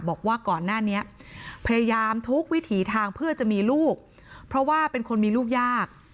บอกว่าก่อนหน้านี้พยายามทุกวิถีทางเพื่อจะมีลูกเพราะว่าเป็นคนมีลูกยาก